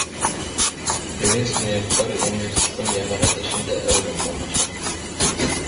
Беҙҙең студенттар университеттың йәмәғәт эшендә әүҙем ҡатнаша